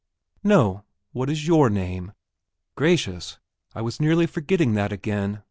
"No; what is your name? Gracious, I was nearly forgetting that again!